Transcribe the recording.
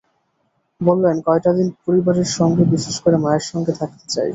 বললেন, কয়টা দিন পরিবারের সঙ্গে, বিশেষ করে মায়ের সঙ্গে থাকতে চাই।